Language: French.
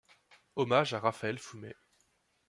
Hommage à Raphaël Fumet.